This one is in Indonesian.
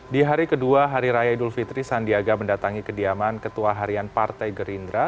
di hari kedua hari raya idul fitri sandiaga mendatangi kediaman ketua harian partai gerindra